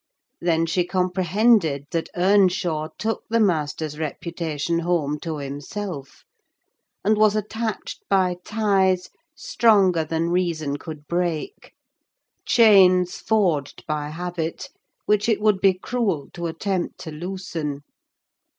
Then she comprehended that Earnshaw took the master's reputation home to himself; and was attached by ties stronger than reason could break—chains, forged by habit, which it would be cruel to attempt to loosen.